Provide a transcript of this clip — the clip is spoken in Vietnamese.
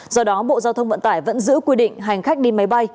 do đó bộ giao thông vận tải vẫn giữ quy định hành khách đi máy bay